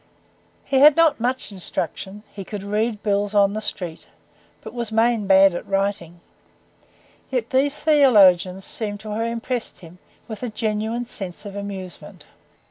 He had not much instruction; he could 'read bills on the street,' but was 'main bad at writing'; yet these theologians seem to have impressed him with a genuine sense of amusement.